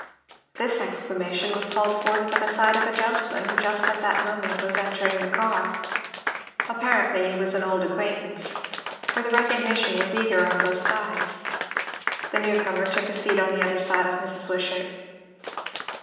This exclamation was called forth by the sight of a gentleman who just at that moment was entering the car. Apparently he was an old acquain'tance, for the recognition was eager on both sides. The new comer took a seat on the other side of Mrs. Wishart.